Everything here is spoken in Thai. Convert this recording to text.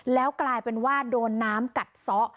แล้วกลายเป็นว่าโดนน้ำกัดซะ